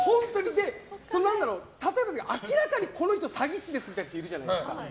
でも例えば、明らかにこの人、詐欺師ですみたいな人いるじゃないですか。